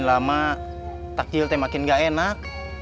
lama takjil teh makin gak enak